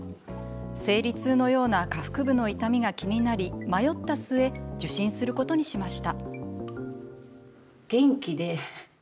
生理痛のような下腹部の痛みが気になり迷った末受診することにしました。